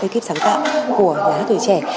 cái kiếp sáng tạo của nhà hát tuổi trẻ